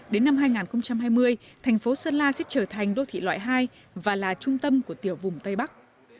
đến năm hai nghìn hai mươi thành phố sơn la sẽ trở thành đô thị loại hai và là trung tâm của tiểu vùng tây bắc